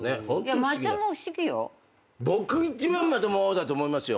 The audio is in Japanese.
僕一番まともだと思いますよ